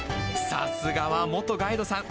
さすがは元ガイドさん。